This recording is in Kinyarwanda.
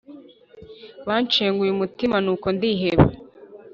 banshenguye umutima nuko ndiheba